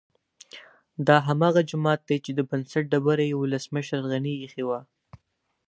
دا هماغه جومات دی چې د بنسټ ډبره یې ولسمشر غني ايښې وه